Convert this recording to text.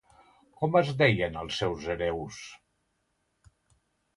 Com es deien els seus hereus?